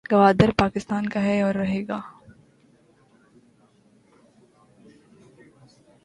گودار پاکستان کاھے اور رہے گا